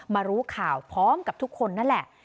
รู้ข่าวพร้อมกับทุกคนนั่นแหละ